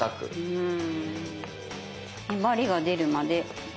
うん。